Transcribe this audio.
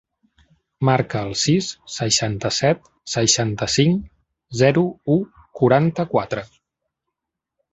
Marca el sis, seixanta-set, seixanta-cinc, zero, u, quaranta-quatre.